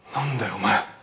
お前。